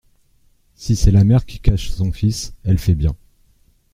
Si c’est la mère qui cache son fils, elle fait bien.